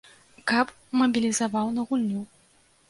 Каб мабілізаваў на гульню.